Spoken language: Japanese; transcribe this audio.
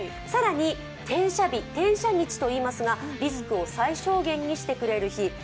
更に天赦日といいますがリスクを最小限にしてくれる日。